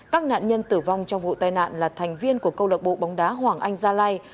các nạn nhân tử vong trong vụ tai nạn là thành viên của câu lạc bộ bóng đá hoàng anh gia lai